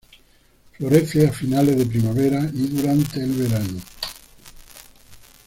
Florece a final de la primavera y durante el verano.